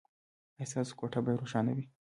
ایا ستاسو کوټه به روښانه وي؟